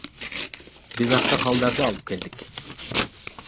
Биз аксакалдарды алып келдик.